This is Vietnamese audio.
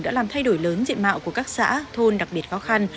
đã làm thay đổi lớn diện mạo của các xã thôn đặc biệt khó khăn